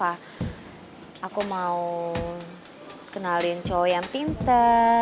nah aku mau kenalin cowok yang pintar